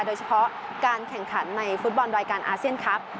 โดยเฉพาะการแข่งขันในฟุตบอลรายการอาเซียนครับ